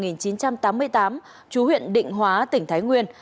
năm một nghìn chín trăm tám mươi tám chú huyện định hóa tỉnh thái nguyên